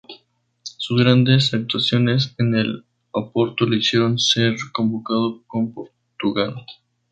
Sus grandes actuaciones en el Oporto le hicieron ser convocado con Portugal.